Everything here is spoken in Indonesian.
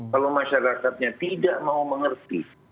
kalau masyarakatnya tidak mau mengerti